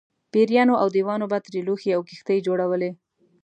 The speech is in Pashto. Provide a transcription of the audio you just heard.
پېریانو او دیوانو به ترې لوښي او کښتۍ جوړولې.